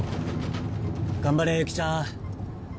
頑張れゆきちゃん。